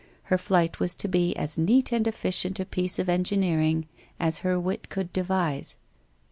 Her flight was to be as neat and efficient a piece of engineering as her wit could devise.